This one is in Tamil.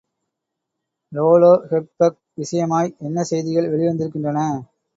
லோலோஹெட்பக் விஷயமாய் என்ன செய்திகள் வெளிவந்திருக்கின்றன.